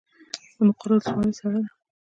د مقر ولسوالۍ سړه ده